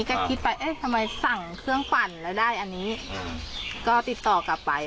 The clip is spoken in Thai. ก็คิดไปเอ๊ะทำไมสั่งเครื่องปั่นแล้วได้อันนี้ก็ติดต่อกลับไป